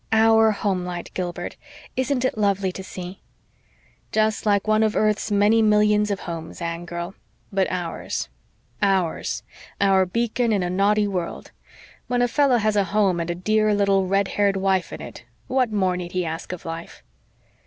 OUR homelight, Gilbert! Isn't it lovely to see?" "Just one of earth's many millions of homes, Anne girl but ours OURS our beacon in 'a naughty world.' When a fellow has a home and a dear, little, red haired wife in it what more need he ask of life?"